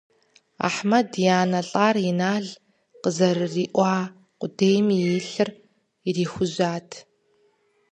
Ахьмэд и анэ лӀар Инал къызэрыриӀуа къудейм и лъыр ирихужьат.